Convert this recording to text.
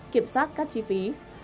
kiểm soát các chi phí